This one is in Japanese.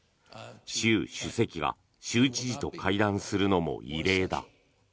習主席が州知事と会談するのも異例だ。